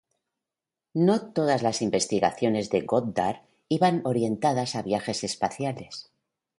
No todas las investigaciones de Goddard iban orientadas a viajes espaciales.